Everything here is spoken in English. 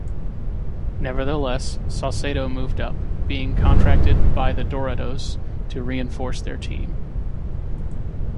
Nevertheless, Saucedo moved up, being contracted by the Dorados to reinforce their team.